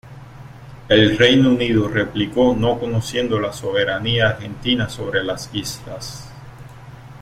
El Reino Unido replicó no reconociendo la soberanía argentina sobre las islas.